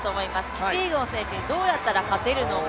キピエゴン選手にどうやったら勝てるのか。